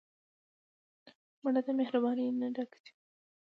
مړه د مهربانۍ نه ډکه وه